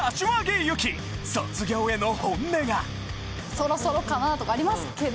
そろそろかな？とかありますけど。